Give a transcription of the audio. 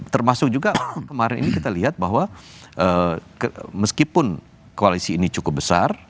termasuk juga kemarin ini kita lihat bahwa meskipun koalisi ini cukup besar